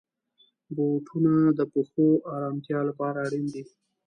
بوټونه د پښو آرامتیا لپاره اړین دي.